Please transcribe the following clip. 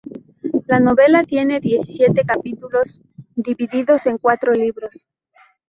La novela tiene diecisiete capítulos, divididos en cuatro Libros.